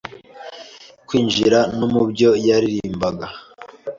kinjira no mu byo yaririmbaga.